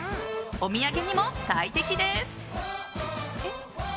お土産にも最適です。